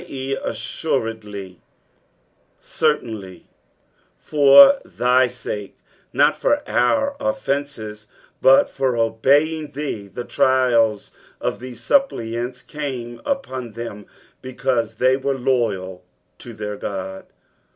e., assuredly, certainly, "for thy tale," not for our offences, bnt for obeying thee ; the trials of these Suppliants come upon them because they were loyal la their Ood.